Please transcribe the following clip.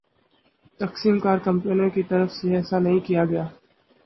تقسیم کار کمپنیوں کی طرف سے ایسا نہیں کیا گیا